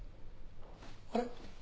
あれ？